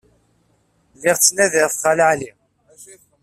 Lliɣ la ttnadiɣ ɣef Xali Ɛli.